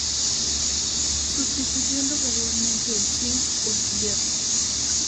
Sustituyendo gradualmente el zinc por hierro.